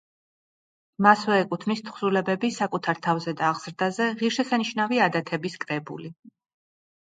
მასვე ეკუთვნის თხზულებები: „საკუთარ თავზე და აღზრდაზე“, „ღირსშესანიშნავი ადათების კრებული“.